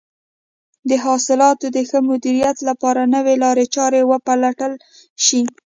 د حاصلاتو د ښه مدیریت لپاره نوې لارې چارې وپلټل شي.